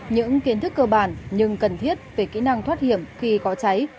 những kiến thức cơ bản nhưng cần thiết về kỹ năng thoát hiểm khi có cháy